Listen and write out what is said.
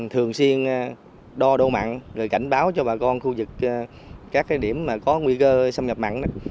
thường xuyên đo đô mặn rồi cảnh báo cho bà con khu vực các cái điểm mà có nguy cơ xâm nhập mặn